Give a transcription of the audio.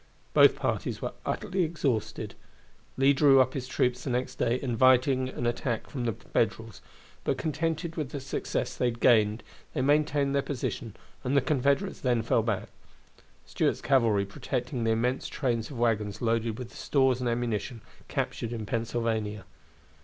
Both parties were utterly exhausted. Lee drew up his troops the next day, and invited an attack from the Federals; but contented with the success they had gained they maintained their position, and the Confederates then fell back, Stuart's cavalry protecting the immense trains of wagons loaded with the stores and ammunition captured in Pennsylvania.